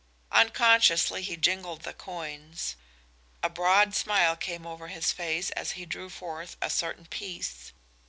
Unconsciously he jingled the coins. A broad smile came over his face as he drew forth a certain piece.